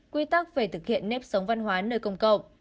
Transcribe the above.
quy tắc về thực hiện nếp sống văn hóa nơi công cộng